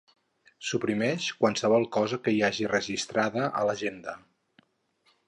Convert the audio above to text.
Suprimeix qualsevol cosa que hi hagi registrada a l'agenda.